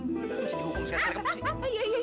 mesti dihukum sekarang